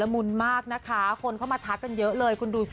มันโจ้์สาวชัด